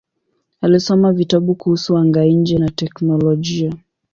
Alisoma vitabu kuhusu anga-nje na teknolojia.